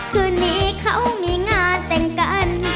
คืนนี้เขามีงานแต่งกัน